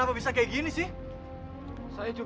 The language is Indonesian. kalau gitu aku panggil mas papa